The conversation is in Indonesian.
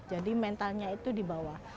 jadi mentalnya itu di bawah